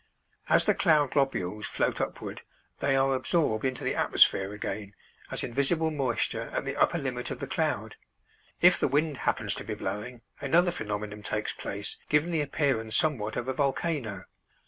As the cloud globules float upward they are absorbed into the atmosphere again, as invisible moisture at the upper limit of the cloud. If the wind happens to be blowing, another phenomenon takes place, giving the appearance somewhat of a volcano.